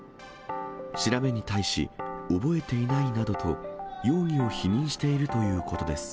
調べに対し、覚えていないなどと、容疑を否認しているということです。